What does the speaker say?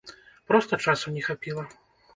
Проста часу не хапіла.